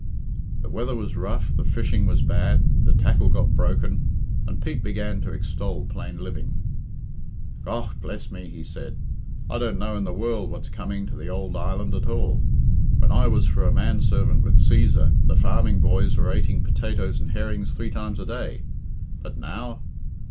The weather was rough, the fishing was bad, the tackle got broken, and Pete began to extol plain living. "Gough bless me," he said, "I don't know in the world what's coming to the ould island at all. When I was for a man servant with Cæsar the farming boys were ateing potatoes and herrings three times a day. But now!